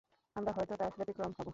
আমরা হয়তো তার ব্যতিক্রম হবো।